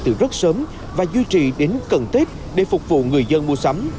từ rất sớm và duy trì đến cần tết để phục vụ người dân mua sắm